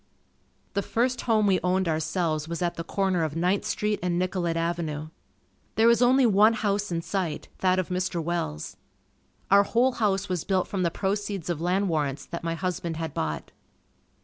The first home we owned ourselves was at the corner of Ninth Street and Nicollet Avenue. There was only one house in sight, that of Mr. Welles. Our whole house was built from the proceeds of land warrants that my husband had bought.